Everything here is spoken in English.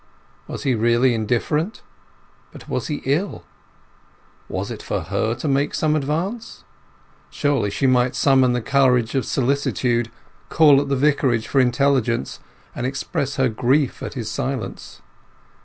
Was he really indifferent? But was he ill? Was it for her to make some advance? Surely she might summon the courage of solicitude, call at the Vicarage for intelligence, and express her grief at his silence.